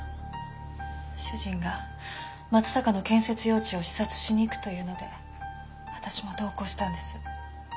主人が松阪の建設用地を視察しに行くというので私も同行したんです。